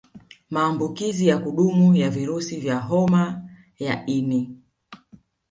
Maambukizi ya kudumu ya virusi vya Homa ya ini